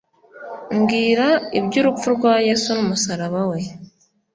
Mbwira iby’urupfu rwa yesu n’umusaraba we